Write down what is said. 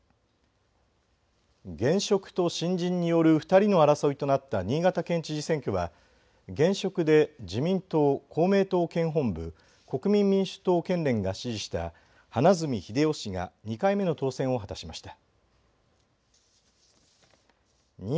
現職と新人による２人の争いとなった新潟県知事選挙は現職で自民党、公明党県本部国民民主党県連が支持した花角英世氏が２回目の当選を果たしました。